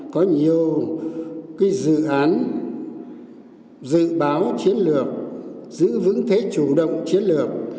có nhiều dự án dự báo chiến lược giữ vững thế chủ động chiến lược